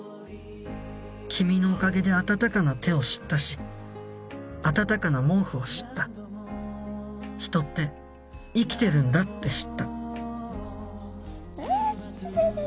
君のおかげで温かな手を知ったし暖かな毛布を知った人って生きてるんだって知ったよしよしよし！